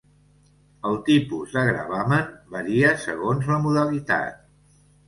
El tipus de gravamen varia segons la modalitat.